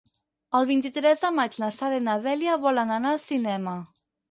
El vint-i-tres de maig na Sara i na Dèlia volen anar al cinema.